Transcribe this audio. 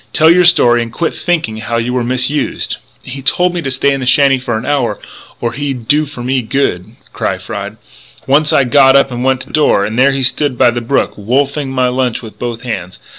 "Tell your story and quit thinking how you were misused!" "He told me to stay in the shanty for an hour or he'd do for me good," cried Fry.... "Once I got up and went to the door; and there he stood by the brook, wolfing my lunch with both hands.